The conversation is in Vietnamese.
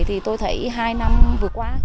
thì tôi thấy hai năm vừa qua